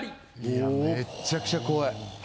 いやめちゃくちゃ怖い。